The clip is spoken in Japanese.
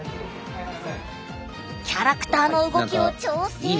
キャラクターの動きを調整。